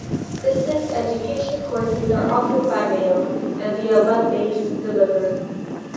Distance education courses are offered by mail and via web-based delivery.